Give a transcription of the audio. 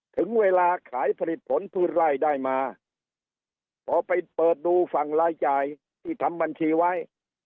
ถึงเวลาขายผลิตผลพืชไร่ได้มาพอไปเปิดดูฝั่งรายจ่ายที่ทำบัญชีไว้